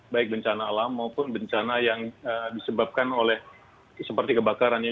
baik bencana alam maupun bencana yang disebabkan oleh seperti kebakaran ya